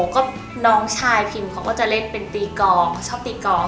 ก็น้องชายพิมเขาก็จะเล่นเป็นตีกองเขาชอบตีกอง